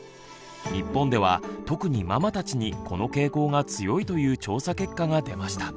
日本では特にママたちにこの傾向が強いという調査結果が出ました。